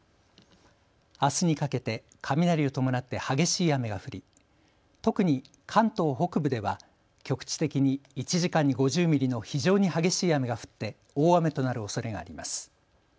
あすにかけて雷を伴って激しい雨が降り特に関東北部では局地的に１時間に５０ミリの非常に激しい雨が降って大雨となるおそれがあります。